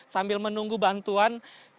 sambil menunggu bantuan